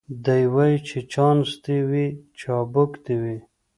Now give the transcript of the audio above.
دی وايي چي چانس دي وي چابک دي وي